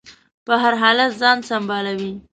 په هر حالت ځان سنبالوي.